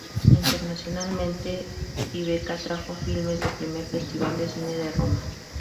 Internacionalmente, TriBeCa trajo filmes de primer Festival de Cine de Roma.